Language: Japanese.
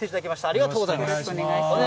ありがとうございます。